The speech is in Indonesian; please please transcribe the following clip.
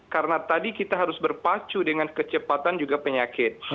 karena tadi kita harus berpacu dengan kecepatan juga penyakit